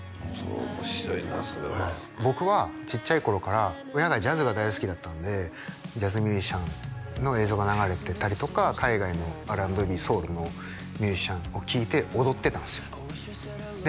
面白いなそれははい僕はちっちゃい頃から親がジャズが大好きだったんでジャズミュージシャンの映像が流れてたりとか海外のＲ＆Ｂソウルのミュージシャンを聴いて踊ってたんですよで